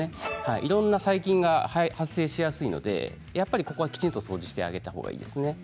いろいろな雑菌が繁殖しやすいので、ここはきちんと掃除してあげたほうがいいですね。